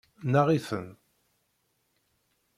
Neɣ-iten.